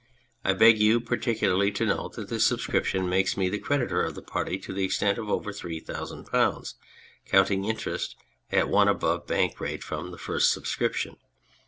I beg you particularly to note that this subscription makes me the creditor of the Party to the extent of over 3000, counting interest at one above bank rate from the first subscription.